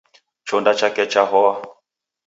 Chonda chake chahoa.